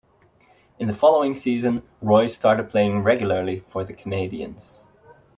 In the following season, Roy started playing regularly for the Canadiens.